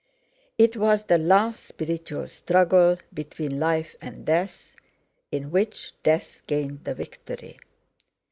It was the last spiritual struggle between life and death, in which death gained the victory.